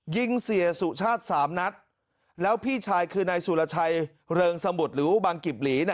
ยิงเสียสุชาติสามนัดแล้วพี่ชายคือนายสุรชัยเริงสมุทรหรือบางกิบหลีเนี่ย